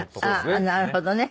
ああなるほどね。